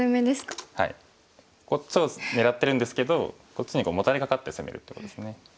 こっちを狙ってるんですけどこっちにモタれかかって攻めるってことですね。